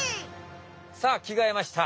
さあきがえました！